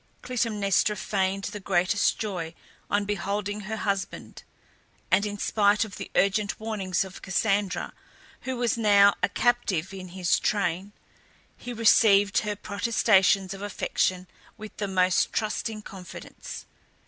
Clytemnestra feigned the greatest joy on beholding her husband, and in spite of the urgent warnings of Cassandra, who was now a captive in his train, he received her protestations of affection with the most trusting confidence.